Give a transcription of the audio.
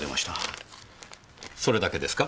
それだけですか？